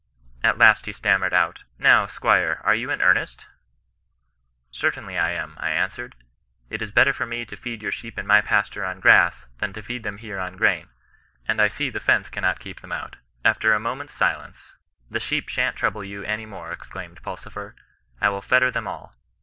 At last he stammered out, ' Now, Squire, are you in ear nest V Certainly I am, I answered : it is better for me to feed your sheep in my pasture on grass, than to feed them here on grain ; and I see the &nce cannot keep them out. "After a moment's silence —* The sheep shan't trouble you any more !' exclaimed Pulsifer; * I will fetter them all.